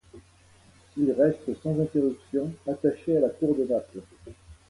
Il reste sans interruption attaché à la cour de Naples.